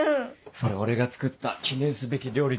それ俺が作った記念すべき料理